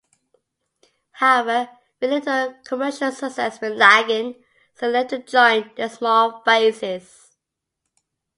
However, with little commercial success McLagan soon left to join The Small Faces.